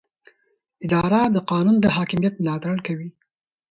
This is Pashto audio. اداره د قانون د حاکمیت ملاتړ کوي.